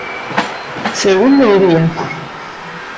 Segundo o día.